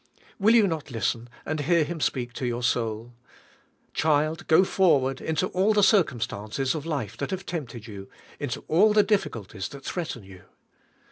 Will you not listen and hear Him speak to your soul? "Child, go forward into all the circum stances of life that have tempted you; into all the difficulties that threaten you."